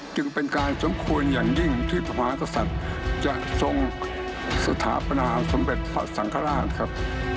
จึงเป็นการสมควรอย่างยิ่งที่พระมหากษัตริย์จะทรงสถาปนาสมเด็จพระสังฆราชครับ